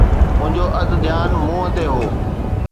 منهنجو اڌ ڌيان منهن تي هو.